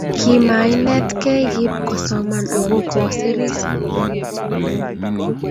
Kimainetgei Kip kosoman ago kosiiris